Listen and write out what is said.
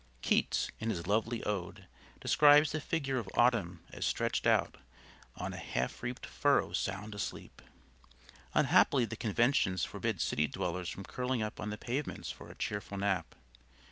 Keats, in his lovely Ode, describes the figure of Autumn as stretched out "on a half reaped furrow sound asleep." Unhappily the conventions forbid city dwellers from curling up on the pavements for a cheerful nap.